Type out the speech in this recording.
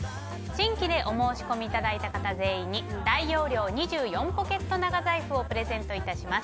新規でお申し込みいただいた方全員に大容量２４ポケット長財布をプレゼントいたします。